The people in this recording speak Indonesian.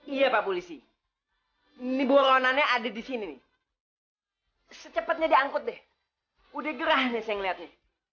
iya pak polisi nih boronannya ada di sini nih secepetnya diangkut deh udah gerah nih saya ngeliatnya